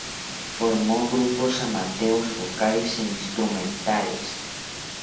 Formó grupos amateurs vocales e instrumentales.